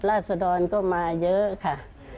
ราศดรก็มาเยอะค่ะ